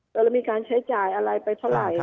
เรามีการใช้จ่ายอะไรไปเท่าไหร่